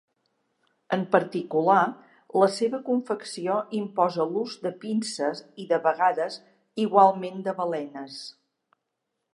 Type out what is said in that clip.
En particular, la seva confecció imposa l'ús de pinces i de vegades igualment de balenes.